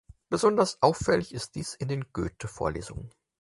Besonders auffällig ist dies in den Goethe-Vorlesungen.